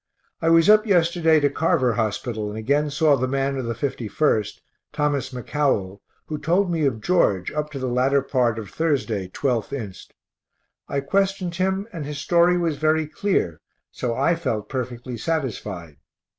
I was up yesterday to Carver hospital and again saw the man of the 51st, Thos. McCowell, who told me of George, up to latter part of Thursday, 12th inst. I questioned him, and his story was very clear, so I felt perfectly satisfied.